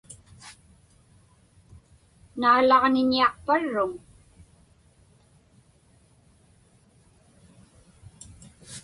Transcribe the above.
Naalaġniñiaqparruŋ?